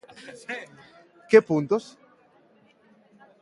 Que puntos?